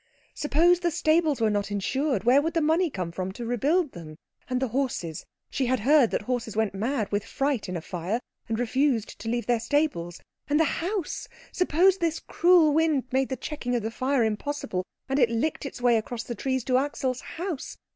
Suppose the stables were not insured, where would the money come from to rebuild them? And the horses she had heard that horses went mad with fright in a fire, and refused to leave their stables. And the house suppose this cruel wind made the checking of the fire impossible, and it licked its way across the trees to Axel's house?